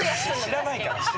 知らないから。